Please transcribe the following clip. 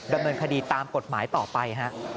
ดำเนินคดีตามกฎหมายต่อไปฮะ